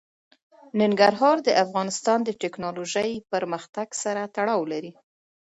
ننګرهار د افغانستان د تکنالوژۍ پرمختګ سره تړاو لري.